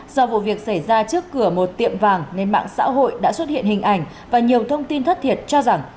do vụ việc xảy ra trước cửa một tiệm vàng nên mạng xã hội đã xuất hiện hình ảnh và nhiều thông tin thất thiệt cho rằng